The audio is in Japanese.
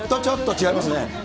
違います。